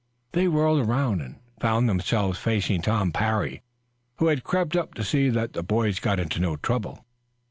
They whirled around and found themselves facing Tom Parry, who had crept up to see that the boys got into no trouble.